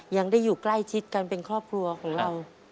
ยังได้อยู่ใกล้ชิดกันเป็นครอบครัวของเรา